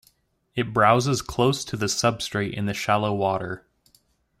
It browses close to the substrate in shallow water.